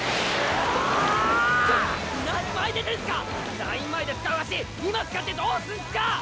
ライン前で使う脚今使ってどうすんすか！